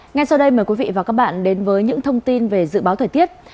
ngay sau đây mời quý vị và các bạn đến với những thông tin về dự báo thời tiết